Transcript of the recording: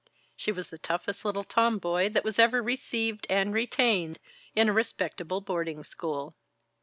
She was the toughest little tomboy that was ever received and retained in a respectable boarding school.